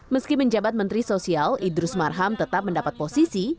meski menjabat menteri sosial idrus marham tetap mendapat posisi